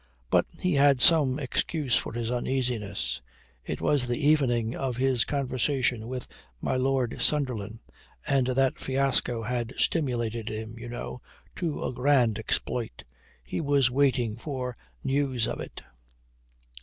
But he had some excuse for his uneasiness. It was the evening of his conversation with my Lord Sunderland, and that fiasco had stimulated him, you know, to a grand exploit. He was waiting for news of it.